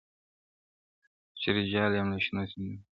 • چي راجلا یم له شنو سیندونو -